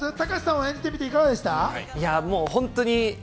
隆さんは演じてみて、いかがでした？